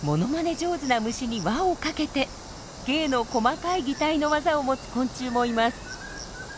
上手な虫に輪をかけて芸の細かい擬態のワザを持つ昆虫もいます。